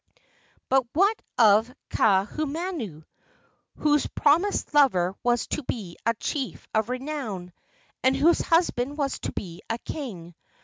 But what of Kaahumanu, whose promised lover was to be a chief of renown, and whose husband was to be a king?